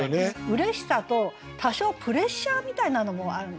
うれしさと多少プレッシャーみたいなのもあるんですかね。